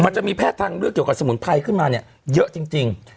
มันจะมีแพทย์ทางเลือกเกี่ยวกับสมุนไพรขึ้นมาเนี่ยเยอะจริง